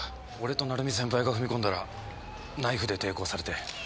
俺と鳴海先輩が踏み込んだらナイフで抵抗されて。